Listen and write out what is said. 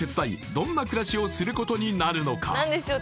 どんな暮らしをすることになるのか